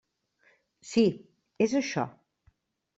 Sí, és això.